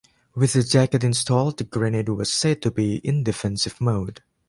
With the jacket installed the grenade was said to be in "defensive" mode.